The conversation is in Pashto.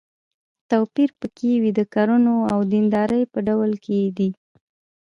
توپير په کې وي د کړنو او د دیندارۍ په ډول کې دی.